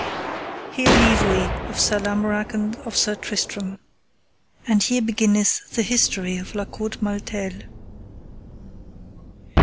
Here leave we of Sir Lamorak and of Sir Tristram. And here beginneth the history of La Cote Male Taile.